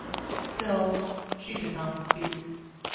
Still she did not speak.